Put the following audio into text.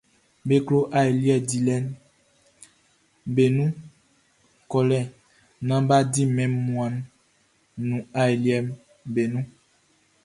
Be klo aliɛ diwlɛʼm be nun kɔlɛ naan bʼa di mɛn wunmuanʼn nun aliɛʼm be nun.